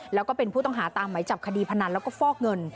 แล้วก็เป็นผู้ต้องหาตามไหมจับคดีพนันแล้วก็ฟอกเงิน